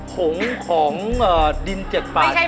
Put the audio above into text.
ของของดินเจ็ดป่านค่ะ